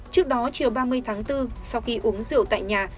trước đó chiều ba mươi tháng bốn sau khi uống rượu tại nhà